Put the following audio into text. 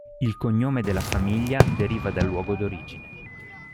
Il cognome della famiglia deriva dal luogo d'origine.